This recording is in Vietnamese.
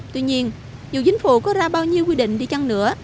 tuy nhiên dù chính phủ có ra bao nhiêu quy định đi chăng nữa